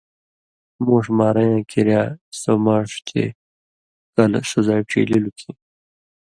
مُوݜ مارَیں یاں کریا سو ماݜ چے کلہۡ سو زائ ڇیلِلوۡ کھیں